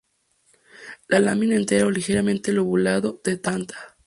La lámina entera o ligeramente lobulado-dentada.